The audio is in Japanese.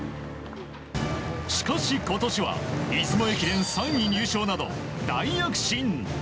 しかし今年は出雲駅伝３位入賞など大躍進！